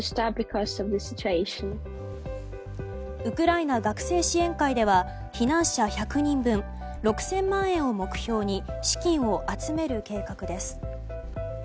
ウクライナ学生支援会では避難者１００人分６０００万円を目標に資金を集める計画です。